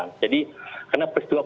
untuk melakukan investigasi